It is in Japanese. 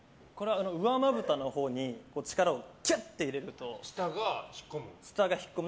上まぶたのほうに力をきゅって入れると下が引っ込む。